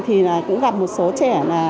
thì cũng gặp một số trẻ